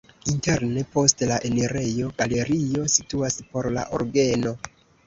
Interne post la enirejo galerio situas por la orgeno.